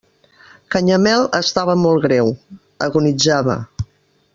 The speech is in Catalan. Canyamel estava molt greu: agonitzava.